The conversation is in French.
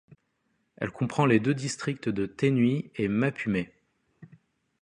Elle comprend les deux districts de Teenui et Mapumai.